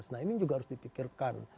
nah ini juga harus dipikirkan